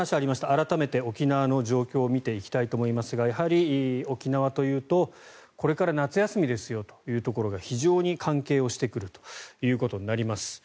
改めて沖縄の状況を見ていきたいと思いますがやはり沖縄というとこれから夏休みですよというところが非常に関係をしてくるということになります。